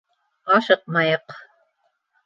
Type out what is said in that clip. — Ашыҡмайыҡ.